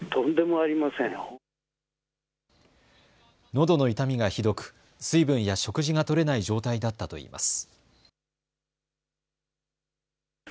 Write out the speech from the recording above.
のどの痛みがひどく水分や食事がとれない状態だったといいます。